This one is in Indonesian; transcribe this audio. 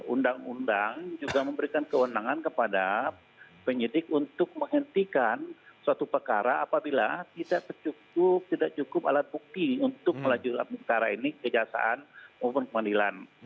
undang undang juga memberikan kewenangan kepada penyidik untuk menghentikan suatu perkara apabila tidak cukup alat bukti untuk melanjutkan perkara ini kejaksaan maupun pengadilan